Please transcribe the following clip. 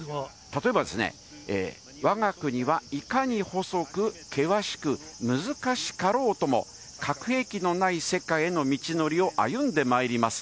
例えばですね、わが国は、いかに細く、険しく、難しかろうとも、核兵器のない世界への道のりを歩んでまいります。